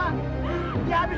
kasian dia bapak bapak